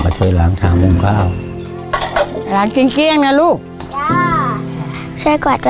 พระเจ้าระกัด